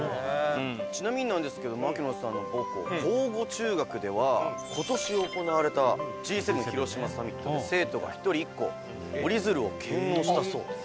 「ちなみになんですけど槙野さんの母校庚午中学では今年行われたＧ７広島サミットで生徒が１人１個折り鶴を献納したそうです」